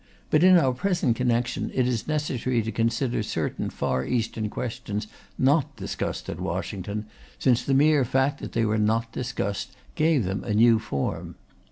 But in our present connection it is necessary to consider certain Far Eastern questions not discussed at Washington, since the mere fact that they were not discussed gave them a new form.